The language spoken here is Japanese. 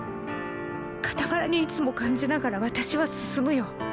傍らにいつも感じながら私は進むよ。